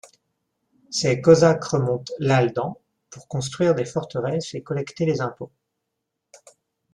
Ses cosaques remontent l'Aldan pour construire des forteresses et collecter les impôts.